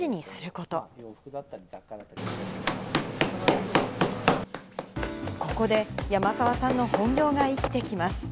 ここで山澤さんの本業が生きてきます。